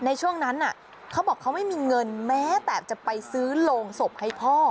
ในช่วงนั้นเขาบอกเขาไม่มีเงินแม้แต่จะไปซื้อโรงศพให้พ่อ